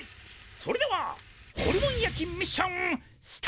それではホルモン焼きミッションスタート！